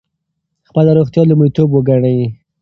خپله روغتیا لومړیتوب وګڼئ.